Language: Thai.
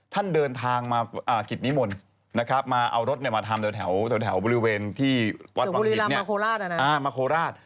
ท่านเดินทางมาอ่าขิตนิมนต์นะครับมาเอารถเนี่ยมาทำแถวแถวบริเวณที่วัดบังหิตเนี่ย